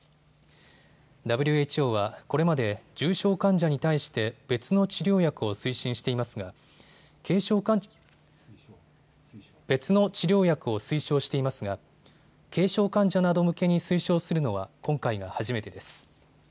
ＷＨＯはこれまで重症患者に対して別の治療薬を推奨していますが軽症患者など向けに推奨するのは今回が初めてです。